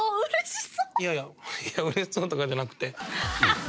いやいやうれしそうとかじゃなくて。